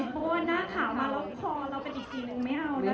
เพราะว่าหน้าข่าวมาแล้วคอเรากันอีกทีนึงไม่เอาแล้ว